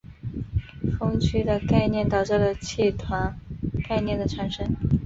锋区的概念导致了气团概念的产生。